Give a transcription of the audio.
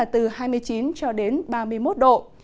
từ hai mươi chín cho đến ba mươi một độ